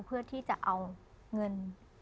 เพื่อที่จะเอาเงิน